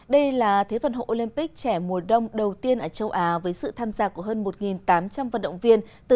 đây là thế vận hộ olympic trẻ mùa đông đầu tiên ở châu á với sự tham gia của hơn một tám trăm linh vận động viên từ bảy mươi chín quốc gia vào vùng lãnh thổ